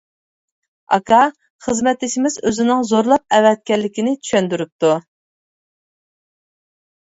ئاكا خىزمەتدىشىمىز ئۆزىنىڭ زورلاپ ئەۋەتكەنلىكىنى چۈشەندۈرۈپتۇ.